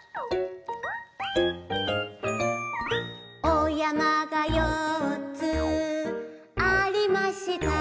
「お山が４つありました」